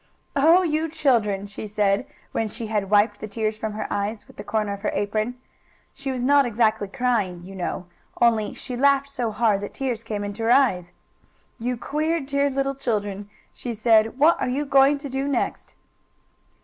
"Oh, you children!" she said, when she had wiped the tears from her eyes with the corner of her apron. She was not exactly crying, you know. Only she laughed so hard that tears came into her eyes. "You queer, dear little children!" she said. "What are you going to do next?"